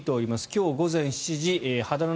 今日午前７時秦野